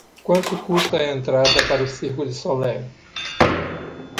quanto custa o a entrada para o circo de Soleil